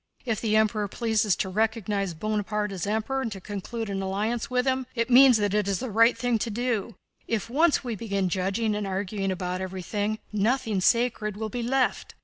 If the Emperor pleases to recognize Bonaparte as Emperor and to conclude an alliance with him, it means that that is the right thing to do. If once we begin judging and arguing about everything, nothing sacred will be left!